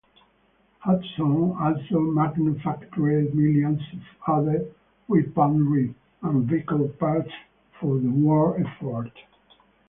Hudson also manufactured millions of other weaponry and vehicle parts for the war effort.